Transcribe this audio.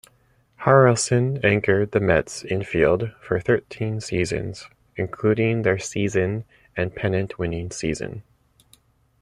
Harrelson anchored the Mets' infield for thirteen seasons, including their season, and pennant-winning season.